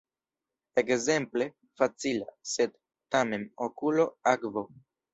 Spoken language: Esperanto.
Ekzemple: "facila, sed, tamen, okulo, akvo".